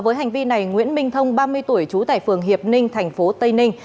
với hành vi này nguyễn minh thông ba mươi tuổi trú tại phường hiệp ninh tp tây ninh